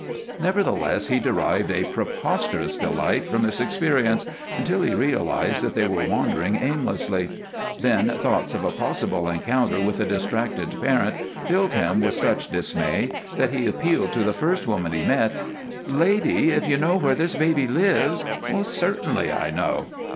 Nevertheless he derived a preposterous delight from this experience, until he realized that they were wandering aimlessly. Then thoughts of a possible encounter with a distracted parent filled him with such dismay that he appealed to the first woman he met. "Lady! If you know where this baby lives " "Certainly I know."